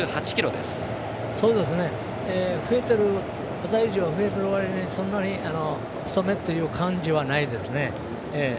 馬体重が増えてるわりにそんなに太めっていう感じはないですね。